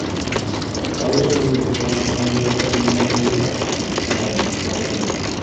Waliwo okweyongera mu muwendo gwa bannamateeka abakyala mu Uganda.